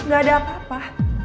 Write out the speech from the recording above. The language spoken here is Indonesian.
gak ada apa apa